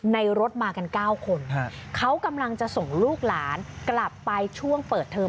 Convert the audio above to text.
รถมากัน๙คนเขากำลังจะส่งลูกหลานกลับไปช่วงเปิดเทอม